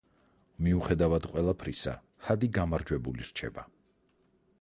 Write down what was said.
მიუხედავად ყველაფრისა, ჰადი გამარჯვებული რჩება.